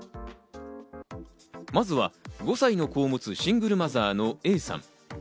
まずは５歳の子を持つシングルマザーのＡさん。